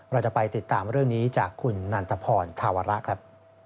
เราจะไปติดตามเรื่องนี้จากคุณนันตพรธาวระครับ